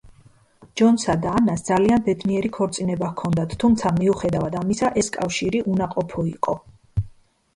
ჯონსა და ანას ძალიან ბედნიერი ქორწინება ჰქონდათ, თუმცა მიუხედავად ამისა, ეს კავშირი უნაყოფო იყო.